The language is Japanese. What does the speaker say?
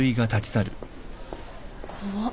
怖っ。